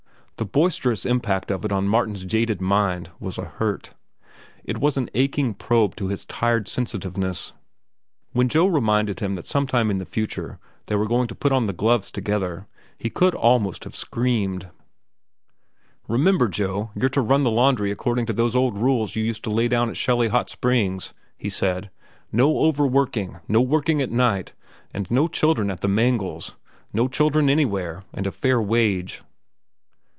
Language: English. The boisterous impact of it on Martin's jaded mind was a hurt. It was an aching probe to his tired sensitiveness. When Joe reminded him that sometime in the future they were going to put on the gloves together, he could almost have screamed. "Remember, Joe, you're to run the laundry according to those old rules you used to lay down at Shelly Hot Springs," he said. "No overworking. No working at night. And no children at the mangles. No children anywhere. And a fair wage."